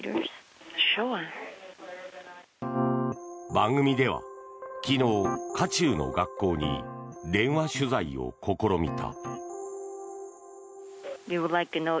番組では、昨日渦中の学校に電話取材を試みた。